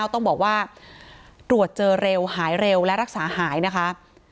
ต้องบอกว่าตรวจเจอเร็วหายเร็วและรักษาหายนะคะ